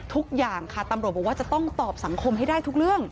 ทุกอย่างค่ะตำรวจบอกว่าจะต้องตอบสังคมให้ได้ทุกเรื่อง